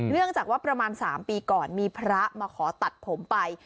เนื่องจากว่าประมาณ๓ปีก่อนมีพระมาขอตัดผมไป